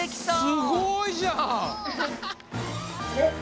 すごいじゃん！